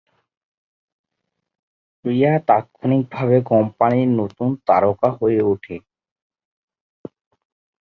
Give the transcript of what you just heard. রিয়া তাত্ক্ষণিকভাবে কোম্পানির নতুন তারকা হয়ে ওঠে।